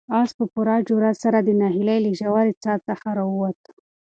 آس په پوره جرئت سره د ناهیلۍ له ژورې څاه څخه راووت.